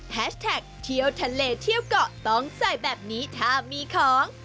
แท็กเที่ยวทะเลเที่ยวเกาะต้องใส่แบบนี้ถ้ามีของ